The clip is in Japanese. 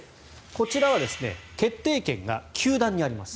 こちらは決定権が球団にあります。